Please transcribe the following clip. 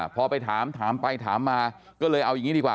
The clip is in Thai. พอไปถามถามไปถามมาก็เลยเอาอย่างนี้ดีกว่า